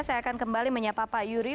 saya akan kembali menyapa pak yuri